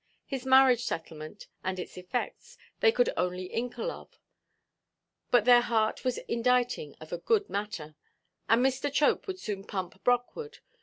His marriage–settlement, and its effects, they could only inkle of; but their heart was inditing of a good matter, and Mr. Chope would soon pump Brockwood.